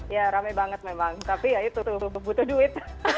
ya rame banget memang tapi ya itu tuh butuh duit